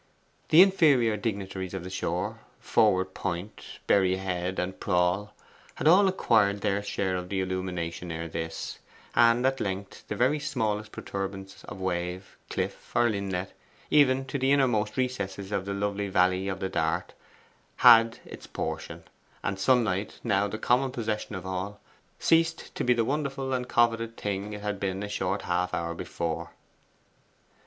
The inferior dignitaries of the shore Froward Point, Berry Head, and Prawle all had acquired their share of the illumination ere this, and at length the very smallest protuberance of wave, cliff, or inlet, even to the innermost recesses of the lovely valley of the Dart, had its portion; and sunlight, now the common possession of all, ceased to be the wonderful and coveted thing it had been a short half hour before.